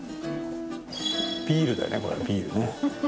ビールだよねこれビールね。